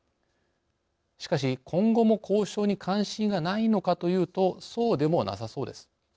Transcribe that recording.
しかし今後も交渉に関心がないのかというとそうでもなさそうです。